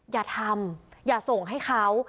อย่าทำอย่าส่งให้เขา